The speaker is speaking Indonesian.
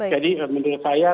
jadi menurut saya